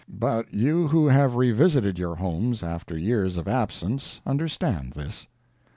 But you who have revisited your homes, after years of absence, understand this.